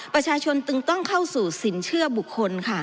ประชาชนจึงต้องเข้าสู่สินเชื่อบุคคลค่ะ